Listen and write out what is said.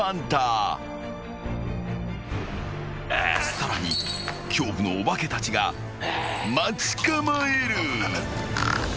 ［さらに恐怖のお化けたちが待ち構える］